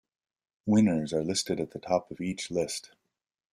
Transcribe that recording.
Winners are listed at the top of each list.